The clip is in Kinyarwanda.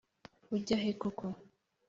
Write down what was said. ujya he koko?